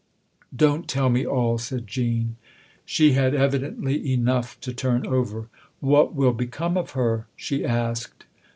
" Don't tell me all," said Jean. She had evidently enough to turn over. " What will become of her ?" she asked.